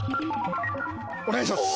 お願いします。